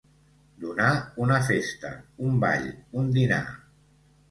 Donar una festa, un ball, un dinar.